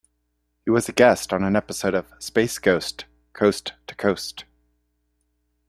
He was a guest on an episode of "Space Ghost Coast to Coast".